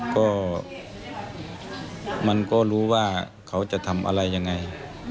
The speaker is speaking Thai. ก็มันก็รู้ว่าเขาจะทำอะไรยังไง